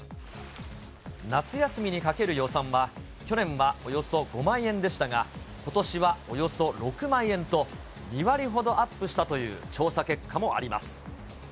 夏休みにかける予算は、去年はおよそ５万円でしたが、ことしはおよそ６万円と、２割ほどアップしたという調査結果もあります。